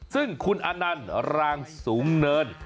ซึ่งคุณอนันต์รางสูงเนิน